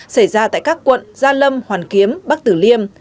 xảy ra tại các quận gia lâm hoàn kiếm bắc tử liêm